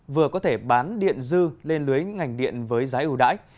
vừa có thể bán điện dư lên lưới ngành điện với giá ưu đãi